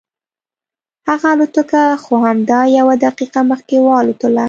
هغه الوتکه خو همدا یوه دقیقه مخکې والوتله.